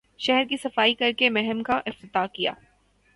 شہر کی صفائی کر کے مہم کا افتتاح کیا